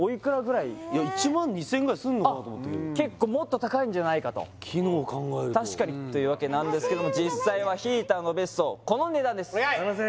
いや１万２０００円ぐらいすんのかなと思ったけど結構もっと高いんじゃないかと機能を考えると確かにというわけなんですけど実際はヒーターのベストこの値段ですお願い！